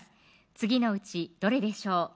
次のうちどれでしょう